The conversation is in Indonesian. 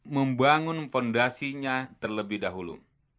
membangun fondasinya terlebih dahulu